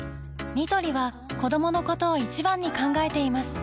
ニトリは子どものことを一番に考えています